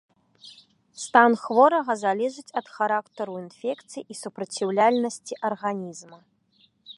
Стан хворага залежыць ад характару інфекцыі і супраціўляльнасці арганізма.